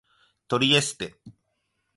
トリエステ